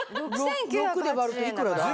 ６で割るといくらだ？